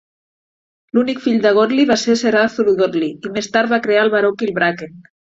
L'únic fill de Godley va ser Sir Arthur Godley, i més tard va crear el baró Kilbracken.